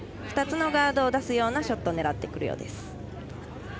２つのガードを出すようなショットを狙ってくるようです。